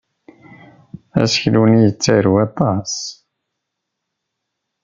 Aseklu-nni yettarew aṭas.